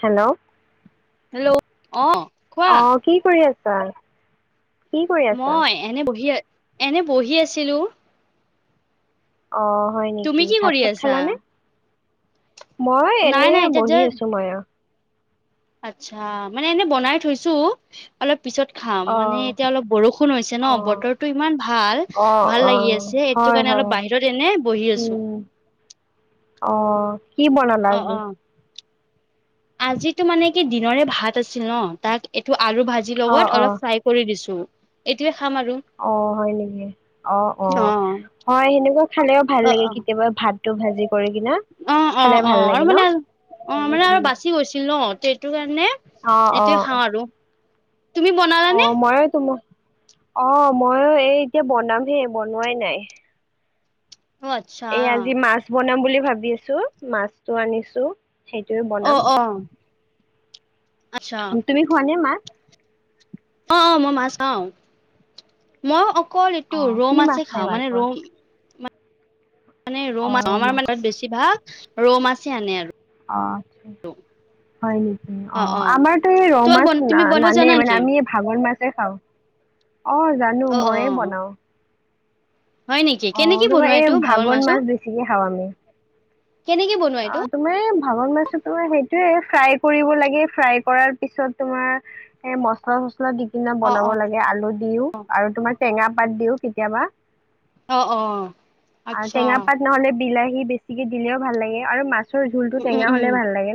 Hello hello অ। কোৱা অ কি কৰি আছা? কি কৰি আছা মই এনেই বহি, এনেই বহি আছিলোঁ। অ হয় নেকি কি ভাত কৰি চাট আছা খালানে? মই নাই এনেই নাই এতিয়া বহি যে আছো মই অ। আচ্ছা মানে এনেই বনাই থৈছো অলপ। পিছত খাম, অ মানে এতিয়া অলপ বৰষুণ হৈছে অ ন বতৰটো ইমান ভাল, অ ভাল অ লাগি আছে। সেইটো হয় কাৰণে হয় অলপ বাহিৰত এনে বহি আছো। উম অ কি বনালা অ আজি? অ আজিতো মানে কি দিনৰে ভাত আছিল ন তাক এইটো আলু ভাজি অ লগত অ অলপ ফ্ৰাই কৰি দিছোঁ, এতিয়া অ হয় নেকি? অ অ হয় সেনেকুৱা খালেও ভাল অ লাগে অ কেতিয়াবা ভাত। অ অ অ আৰু লাগে ন মানে অ উম মানে আৰু উম বাচি গৈছিল ন। সেইটো কাৰণে অ অ এতিয় খাওঁ আৰু। তুমি অ বনালানে মই তোমাৰ অ মইয়ো এই এতিয়া বনাম হে, বনোৱাই নাই। অ আচ্ছা এ আজি মাছ বনাম বুলি ভাবি আছো, মাছটো আনিছো সেইটোয়ে অ বনাম। অ আচ্ছা তুমি খোৱা নে মাছ,? অ অ মই মাছ খাও, মই ক অ এইটো ৰৌ কি মাছ মাছে খাই খাওঁ ভাল মানে পোৱা ৰৌ মানে ৰৌ মাছ আমাৰ মানত বেছি ভাগ ৰৌ মাছেই আনে আৰু। অহ হয় নেকি? অ আমাৰতো এই ৰৌ তোমাক বন মাছ তুমি বনাব নানে জানা মানে নেকি আমি ভাঙন মাছ খাওঁ, অ জানো অ অ মইয়ে বনাওঁ। হয় নেকি অ কেনেকে তাৰপৰা বনোৱা এই এইটো ভাৱৰ ভাগন মাছটো মাছ বেছিকে খাওঁ আমি। কেনেকে বনোৱা অ এইটো তুমি ভাঙন মাছ তো সেই এইে ফ্ৰাই কৰিব লাগে ফ্ৰাই কৰাৰ পিছত তোমাৰ এ মচলা চচলা দি কিনা অ বনাব অ লাগে আলু দিও, আৰু তোমাৰ টেঙা পাত দিও কেতিয়াবা অ অ আৰু আচ্ছা টেঙা পাত নহলে বিলাহী বেছিকে দিলেও ভাল লাগে আৰু মাছ, ৰ জোলটো উম উম টেঙা উম হলে ভাল লাগে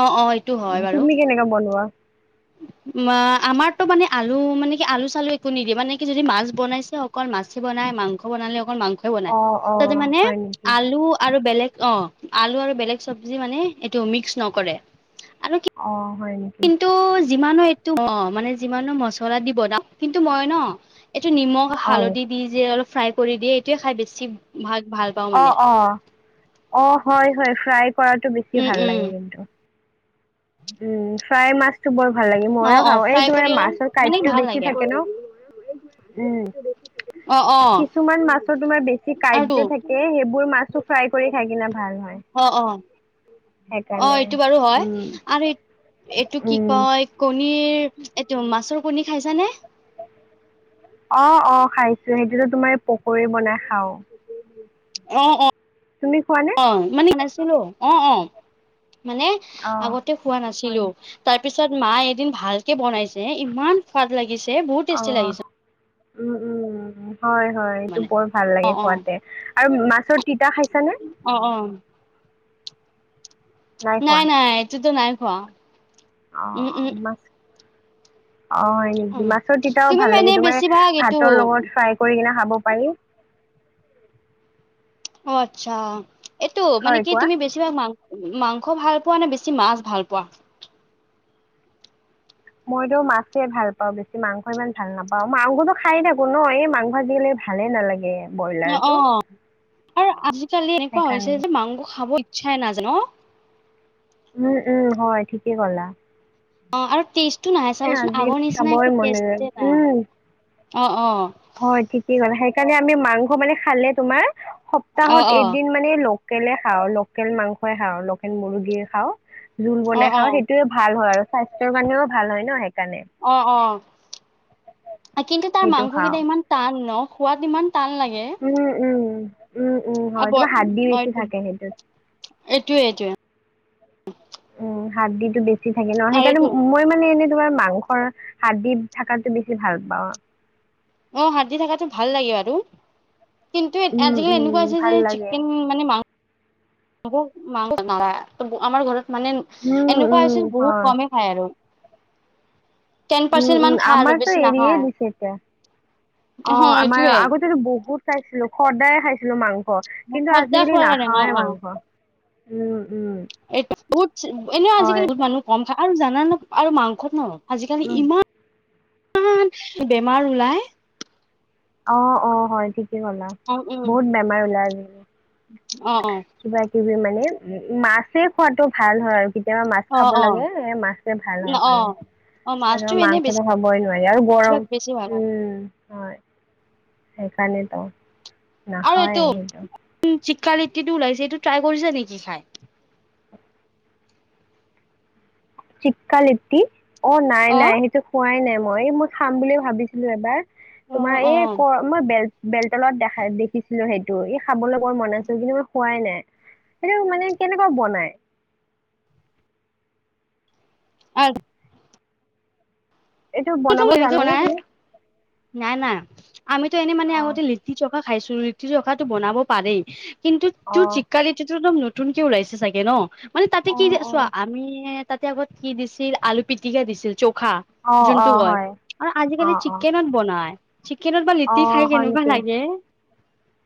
অ অ এইটো হয় তুমি কেনেকাে বনোৱা? [inaudible] অ আমাৰতটো মানে আলু মানে কি আলু চালু একো নিদিয়ে মানে কি যদি মাছ বনাইছে অকল মাছে বনাই। মাংস বনালে অকল মাংসই বনাই, অ', তাতে অ', মানে হয় নেকি? আলু আৰু বেলেগ, অ আলু আৰু বেলেগ চব্জি মানে এইটো মিক্স নকৰে। আৰু অ হয় নেকি? কিন্তু যিমানো এইটো অ মানে যিমানো মচলা দি বনাও কিন্তু মই ন, এইটো নিমখ অ', হালধি দি যে অলপ ফ্ৰাই কৰি দিয়ে এইটোৱে খাই বেছি ভাল পাওঁ অ মানে অ অ হয় হয় ফ্ৰাই কৰাটো বেছি উম ভাল উম লাগে কিন্তু। উম, ফ্ৰাই মাছটো বৰ ভাল লাগে, মই অ অ খাওঁ এই ফ্ৰাই ধোৰা কৰি অলপ মাছৰ মানে কাইটো ভাল বেছি লাগে থাকে ন। উম। অ অ কিছুমান মাছৰ তোমাৰ বেছি কাইট আৰুতো যে থাকে সেইবোৰ মাছো ফ্ৰাই কৰি থাকিল অ অ অ সেইকাৰণে এইটো বাৰু হয়। উম, আৰু এইটো কি উম। কয় কণীৰ এইটো মাছৰ কণী খাইছা নে? অ অ খাইছোঁ সেইটোতো তোমাৰ পকৰি বনাই খাওঁ। অ অ, তুমি খোৱানে অ মানে নাছিলো অ অ। মানে অ আগতে খোৱা হয় নাছিলো তাৰ পিছত মাই এদিন ভালকে বনাইছে ইমান সোৱাদ লাগিছে বহুত অ টেষ্টি লাগিছে। উম উম উম উম। হয় হয় এইটো মানে বৰ ভাল অ লাগে অ খোৱাতে আৰু মাছৰ তিতা খাইছানে? অহ। নাই নাই এইটোতো নাই খোৱা। অ উম উম মাছ অ হয় নেকি? উম মাছৰ তিতাও তুমি ভাল মানে লাগে তোমাৰ বেছিভাগ এইটো ভাতৰ লগত ফ্ৰাই কৰি কিনে খাব পাৰি। অ আচ্ছা এইটো মানে হয় কি কোৱা তুমি বেছিভাগ মাংস মাংস ভাল পোৱা নে বেছি মাছ ভাল পোৱা? মইটো মাছে ভাল পাওঁ বেছি মাংস ইমান ভাল নাপাওঁ মাংসটো খায়ে থাকো ন এই মাংস আজিকালি ভালে নালাগে। অ অ ব্ৰইলাৰটো আৰু আজিকালি এনেকুৱা হৈছে সেইকাৰণে যে মাংস খাব ইচ্ছাই নাযায় ন। উম উম হয় ঠিকে ক'লা। অ আৰু টেষ্টটো নাহে এ চাবচোন আজিকালি আগৰ নিচিনা খাবই একো মন নাযায় টেষ্টে নাই। উম অ অ। হয় ঠিকে ক'লা সেইকাৰণে আমি মাংস মানে খালে তোমাৰ অ' সপ্তাহত অ' এদিন মানে লওঁ। লোকেলে খাওঁ লোকেল মাংসই খাওঁ লোকেল মুৰ্গী খাওঁ। জোল বনাই খাওঁ অ' সেইটোয়ে ভাল হয় আৰু, স্বাস্থ্যৰ কাৰাণেও ভাল হয় ন? সেইকাৰণে অ অ কিন্তু তাৰ সেইটো খাওঁ মাংসকেইটা ইমান টান ন সোৱাদ ইমান টান লাগে। উম উম। উম উম আ হয় ব, তোমাৰ হাড্ডি অ বেছি এইটোৱে থাকে সেইটোত এইটোৱে এইটোৱে। উম হাৰ্দিটো বেছি থাকে ন আৰু এইটো সেইকাৰণে মই মানে এনে তোমাৰ মাংসৰ হাৰ্দি থাকাটো বেছি ভাল পাওঁ। অ হাৰ্দি থাকাটো ভাল লাগে আৰু। কিন্তু উম আজিকালি উম এনেকুৱা আছে ভাল যে লাগে চিকেন মানে মাংস মাংস না, আমাৰ ঘৰত মানে উম এনেকুৱা উম আছিল বহুত হয় কমে খায় আৰু। টেন উম পাৰ্চেন্ট মান উম খায় আৰু আমাৰতো বেছি এৰিয়ে নাখায়। দিছে এতিয়া। অ আমাৰ আগতেটো বহুত খাইছিলো সদায় খাইছিলো মাংস। স কিন্তু খদ্দা আজিকালি খোৱাৰ কাৰণে অ নাখাৱে অ মাংস। উম, উম, এইটো বহুত, এনেও হয়। আজিকালি বহুত মানুহ কম খাই। আৰু জানা ন আৰু মাংসত ন আজিকালি উম, ইমান। মান বেমাৰ ওলাই। অ অ হয় ঠিকে ক'লা উম বহুত বেমাৰ ওলাই আজিকালি। অ অ। কিবা কিবি মানে উম মাছে খোৱাটো ভাল হয়। কেতিয়াবা মাছ অ খাব অ লাগে সে মাছে ভাল আৰু অ অ খালে অ আৰু মাছটো এনে বেছি মাংসটো খাবই নোৱাৰি আৰু গৰম বেছিভাগ বেছি ভাল হয় উম। সেইকাৰণেটো নাখাৱেই সেইটো। কালিটিটো ওলাইছে সেইটো ট্ৰাই কৰিছাঁ নিকি খাই? টিক্কা লিটি অ নাই অ নাই সেইটো খোৱাই নাই মই এই মই খাম বুলি ভাবিছিলো এবাৰ অ তোমাৰ অ এই ক মই বেল বেলতলত দেখাই দেখিছিলো সেই। টো এ খাবলে বৰ মন আছিল। কিন্তু মই খোৱাই নাই সেইটো মানে কেনেকুৱা বনাই। [inaudible] আৰু এইটো না - বনাব জানানে তুমি [unintelligible] নাই নাই আমিতো এনে মানে অ আগতে লিটি চৌখা খাইছো লিটি চৌখাটো বনাব পাৰেই। কিন্তু অ তোৰ চিক্কা লিতিটো একদম নতুনকে ওলাইছে চাগে ন মানে তাতে অ কি অ চোৱা আমি তাতে আগত কি দিছিল আলু পিটিকা দিছিল চৌখা। অ অ যোনটো কয় হয় আৰু আজিকালি চিকেনত বনাই চিকেনত বা লিটি অহ খাই হয় কেনেকুৱা নেকি লাগে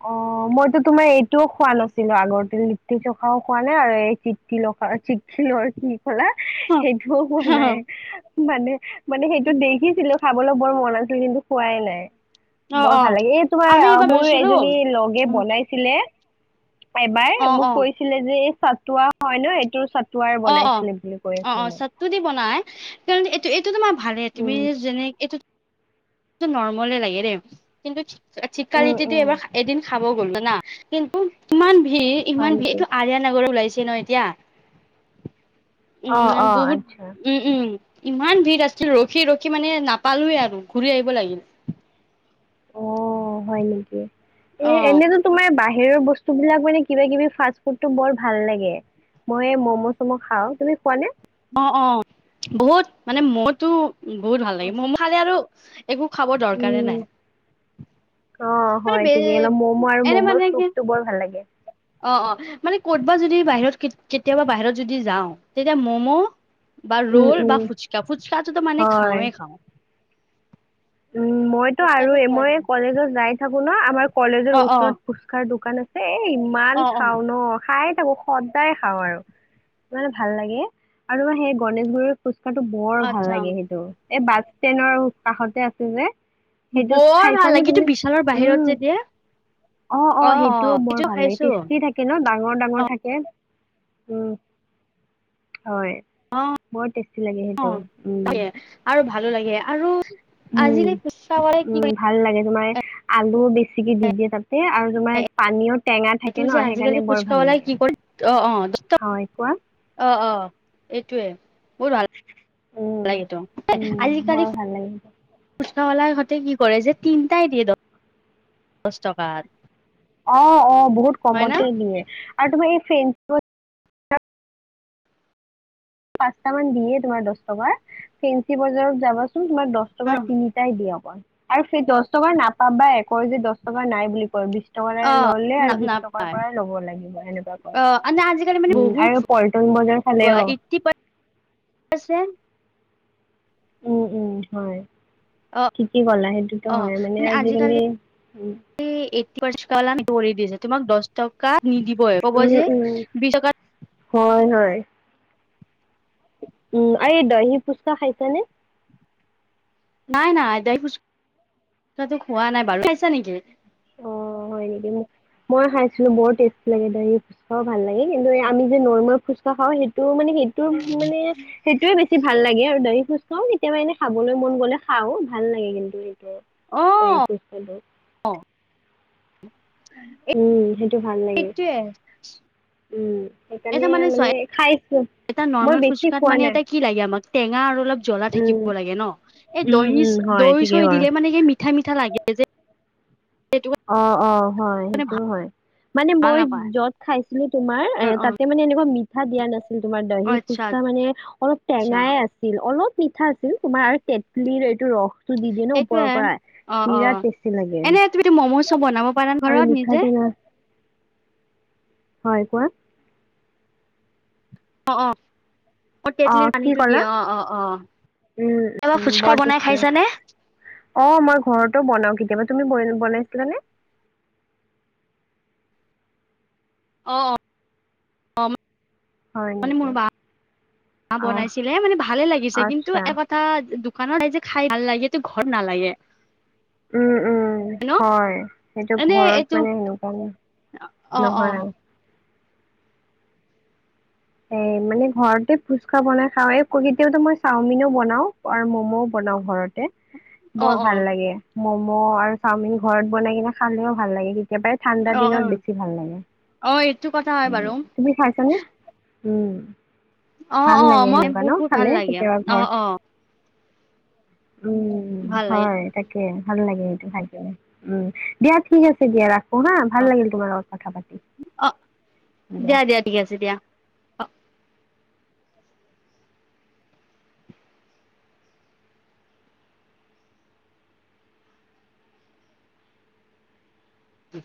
অহ মইতো তুমি টো খোৱা নাছিলো আগতে লিট্টি খাও খোৱা নাই [unintelligible] কলা সেইটোও হোৱা নাই মানে মানে সেইটো দেখিছিলো খাবলৈ বৰ মন আছিল কিন্তু খোৱাই নাই অ বৰ অ ভাল লাগে এই আমি তোমাৰ এইবাৰ মোৰ লৈছিলো এজনী লগে উ বনাইছিলে। এবাৰ অ মোক অ কৈছিলে যে এই চাটুৱা হয় ন এই অ অ অ অ চাটটো দি বনাই। কাৰণ এইটো এইটো তোমাৰ ভালেই তুমি উম যেনে এইটো নৰ্মলে লাগে দেই কিন্তু উম টিক্কাৰিটিটো উম এবাৰ এদিন খাব গ'লো না কিন্তু ইমান ভিৰ হয় ইমান ভিৰ নেকি এইটো আৰিয় নগৰ ওলাইছে। ন এতিয়া অ উম অ বহুত আচ্ছা উম উম। ইমান ভিৰ আছিল ৰখি ৰখি মানে নাপালোৱেই আৰু ঘূৰি আহিব লাগিল। অ হয় নেকি। অ এ এনেতো তোমাৰ বাহিৰ বাহিৰৰ বস্তুবিলাক মানে কিবা কিবি ফাষ্ট ফুডটো বৰ ভাল লাগে। মই ম'ম' চম' খাওঁ তুমি খোৱা নে? অ অ বহুত মানে মোৰতো বহুত ভাল লাগে মোৰ খালে আৰু একো খাব দৰকাৰে উম, নাই। অ মানে হয় বে ঠিকেই অলপ ম'ম' আৰু এনে মানে মম' কি চুপতটো বৰ ভাল লাগে। অ অ মানে ক'তবা যদি বাহিৰত কেতিয়াবা বাহিৰত যদি যাওঁ তেতিয়া ম'ম' বা উম, ৰোল উম, বা ফুচকা ফুচকাটো মানে হয়। খাওঁৱে খাওঁ। উম মইতো আৰু ফুচকাটো খোৱা মই যায়। কলেজত যাই থাকো। ন আমাৰ কলেজৰ অ', অ', ওচৰত ফুচকাৰ দোকান আছে এ ইমান অ', অ', খাও ন খাই। সদায় খাওঁ আৰু ইমানে ভাল লাগে আৰু ম সেই গনেশ গুৰিৰ কথাতো বৰ ভাল আচ্ছা লাগে সেইটো এই বাছ ষ্টেনৰ কাষতে আছে যে সেইটোত বৰ ভাল খাইছানে লাগে এইটো তুমি বিশালৰ বাহিৰত উম যে দিয়ে। অহ অহ অ', সেইটোও অ', বৰ সেইটো ভাল লাগে খাইছো টিষ্টি থাকে ন ডাঙৰ ডাঙৰ থাকে উম হয় অ', বৰ টেষ্টি লাগে অ সেইটো উম আৰু ভালো লাগে আৰু উম আজিকালি ফুচকাৱালাই কি উম ভাল লাগে তোমাৰ আলুও বেছিকে দি দিয়ে তাতে আৰু তোমাৰ পানীয়ত এইটো যে আজিকালি ফুচকা ৱালাই কি কৰি অহ অহ হয় কোৱা অহ অহ এইটোৱে বহুত উম। ভাল লাগেটো উম, বৰ আজিকালি ভাল লাগে ফুচকা হতে কি কৰে যে তিনিই দিয়ে দহ দচ টকাত অহ অহ বহুত হয় না কমতে দিয়ে আৰু তোমাৰ এই ফেন পাঁচটা মান দিয়ে তোমাৰ দহ টকা ফেঞ্চি বজাৰত যাবা চোন উম তোমাক দহ টকা তিনিটাই দিয়ক আৰু সেই দহ টকাৰ নাপাবাই কয় যে দহ টকা নাই বুলি কয় বিশ সেইকাৰণে অ', অলে আৰ না বিচ টকা নাপায় পৰাই ল'ব লাগিব তেনেকুৱা কয় অ', আজিকালি মানে উম আৰু প বজাৰ ফালে অহ আছে উম উম হয় অ কি কি কলে সেইতো হয় মানে আজিকালি ফাৰ্ষ্ট তলামি কৰি দিছে তোমাক দহ টকা নিদিবই ক'ব উম উম যে উম বিশ টকাত [unintelligible] উম আৰু দৈহি ফুচকা খাইছা নে নাই নাই দৈহি ফুচকাতো ফুচকাতো খোৱা বাৰু খাইছা নেকি অহ হয় নেকি মোক মই খাইছিলো বৰ টেষ্টি লাগে দৈহি ফুচকাও ভাল লাগে কিন্তু আমি যে নৰ্মেল ফুচকা খাওঁ সেই টো মানে সেইটোৰ মানে সেইটোয়ে বেছি। বেছি ভাল লাগে আৰু দহি ফোচকাও কেতিয়াবা এনে খাবলৈ মন গ'লে খাও ভাল লাগে কিন্তু। তো অ দহি ফুচকাটো। উম সেইটো ভাল লাগে সেইটোয়ে উম সেইকাৰণে এটা চোৱা মানে খাইছো এটা মই নৰ্মেল বেছি ফুচকাত খোৱা মানে নাই এটা কি লাগে আমাক টেঙা আৰু অলপ জ্বলা উম, থাকিব লাগে ন এই উম, দহি উম, হয় দৈ ঠিকেই চৈ বাৰু। দিলে মানে সেই মিঠা মিঠা লাগে যে সেইটো অহ অহ হয় কাৰণে সেইটো ভাল হয় মানে মই নাপায় যত খাইছিলো তোমাৰ এ অ অ তাতে মানে এনেকোৱা মিঠা দিয়া নাছিল তোমাৰ দৈহি আচ্ছা ফুচকা মানে অলপ আচ্ছা টেঙাই আছিল অলপ মিঠা আছিল তোমাৰ তেঁতলিৰ এইটো ৰস বস্তু দি দিয়ে ন ওপৰৰ এইটোয়ে পৰা অ অ বিৰাট টেষ্টি লাগে এনে তুমিতো ম'ম' চব বনাব পাৰ ন আৰু ঘৰত মিঠা নিজে টেঙা হয় কোৱা অহ অহ অ তেতলিৰ কি পানীটো দিয়ে ক'লা অহ অহ উম, কেতিয়াবা ফুচকা বনাই খাইছানে অহ মই ঘৰতো বনাও কেতিয়াবা তুমি বনাইছিলানে অহ অহ হয় মানে নেকি মোৰ বাঁ অ', বনাইছিলে মানে ভালে লাগিছে কিন্তু আচ্ছা এটা কথা দো কাৰন এই যে খাই ভাল লাগে কিন্তু ঘৰত নালাগে উম উম হয় সেইটো এনে ঘৰত এইটো মানে সেনেকোৱা অ নাই। অ নহয় আৰু। এ মানে ঘৰতে ফুচকা বনাই খাও কেতিয়াতো মই চাওমিনও বনাও আৰু ম'ম'ও বনা। ন ঘৰত। তে অ বৰ অ ভাল লাগে মম' আৰু চাওমিন ঘৰত বনাই কিনে খালেও ভাল লাগে কি। একেবাৰে ঠাণ্ডা অ অ দিনত বেছি ভাল লাগে অ এইটো কথা হয় বাৰু উ তুমি খাইছানে। উম অ ভাল অ লাগে মই সেনেকোৱা ন বহুত ভাল খালে লাগে কেতিয়াবা অ ঘৰত। অ উম ভাল লাগে হয় তাকে ভাল লাগে সেইটো খাই কিনে উম দিয়া ঠিক আছে দিয়া ৰাখ। খো হা ভাল লাগিল তোমাৰ লগত কথা পাতি অ দিয়া। ঠিক আছে দিয়া। উম।